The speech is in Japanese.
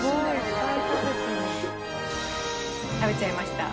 食べちゃいました。